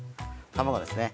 卵ですね。